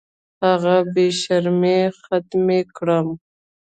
هغه بې شرمۍ ختمې کړم.